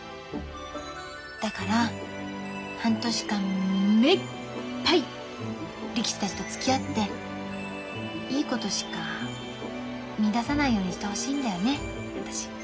だから半年間目いっぱい力士たちとつきあっていいことしか見いださないようにしてほしいんだよね私。